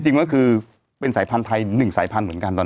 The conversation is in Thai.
จริงว่าคือเป็นสายพันธุ์ไทยหนึ่งสายพันธุ์เหมือนกันตอน